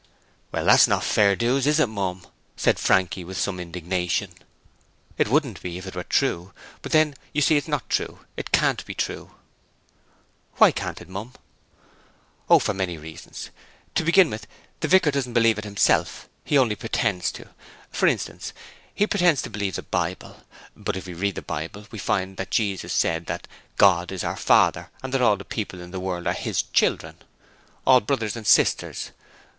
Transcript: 'Well, that's not fair doos, is it, Mum?' said Frankie with some indignation. 'It wouldn't be if it were true, but then you see it's not true, it can't be true.' 'Why can't it, Mum?' 'Oh, for many reasons: to begin with, the vicar doesn't believe it himself: he only pretends to. For instance, he pretends to believe the Bible, but if we read the Bible we find that Jesus said that God is our father and that all the people in the world are His children, all brothers and sisters.